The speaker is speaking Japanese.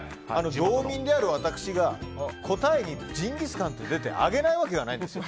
道民である私が答えにジンギスカンと出て上げないわけがないですよ。